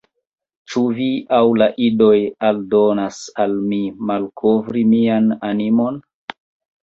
Ĉu vi aŭ la dioj ordonas al mi malkovri mian animon?